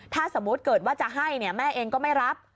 ถ้าสมมุติเกิดว่าจะให้แม่เองก็ไม่รับ